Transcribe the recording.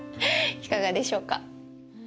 いかがでしょうか。